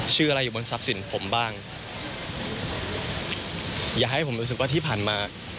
ชื่ออะไรอยู่บนทรัพย์สินผมบ้างอย่าให้ผมรู้สึกว่าที่ผ่านมา